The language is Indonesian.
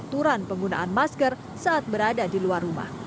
untuk pengetahuan penggunaan masker saat berada di luar rumah